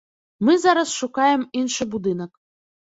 Мы зараз шукаем іншы будынак.